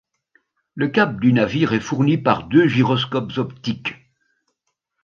Le cap du navire est fourni par deux gyroscopes optiques.